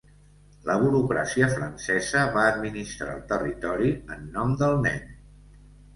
La burocràcia francesa va administrar el territori en nom del nen.